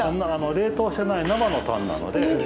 冷凍してない生のタンなので。